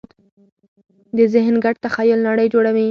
د ذهن ګډ تخیل نړۍ جوړوي.